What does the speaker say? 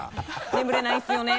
眠れないんですよね。